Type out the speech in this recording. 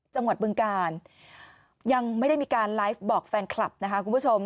บึงกาลยังไม่ได้มีการไลฟ์บอกแฟนคลับนะคะคุณผู้ชม